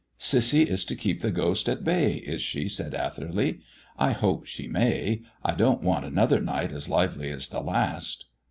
"Cissy is to keep the ghost at bay, is she?" said Atherley. "I hope she may. I don't want another night as lively as the last."